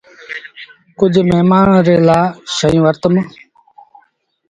ڪجھ مهمآݩ ري کآڻ لآ شئيٚن وٺتم۔